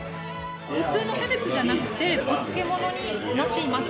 普通のキャベツじゃなくてお漬物になっています。